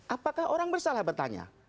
apakah orang bersalah bertanya